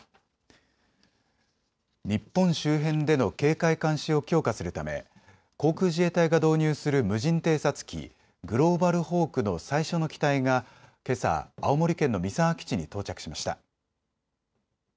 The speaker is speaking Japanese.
日本周辺での警戒監視を強化するため航空自衛隊が導入する無人偵察機、グローバルホークの最初の機体がけさ、青森県の三沢基地に到着しました。